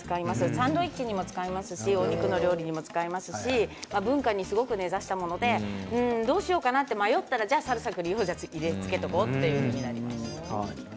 サンドイッチにも使いますしお肉料理も使いますし文化にすごく根ざしたものでどうしようかなと迷ったらじゃあ、サルサ・クリオジャつけておこうということになります。